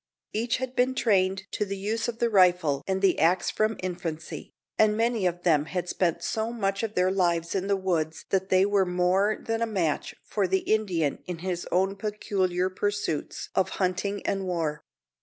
Each had been trained to the use of the rifle and the axe from infancy, and many of them had spent so much of their lives in the woods that they were more than a match for the Indian in his own peculiar pursuits of hunting and war.